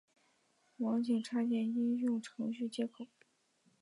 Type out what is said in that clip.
网景插件应用程序接口。